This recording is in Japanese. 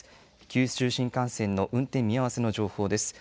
九州新幹線の運転見合わせの情報です。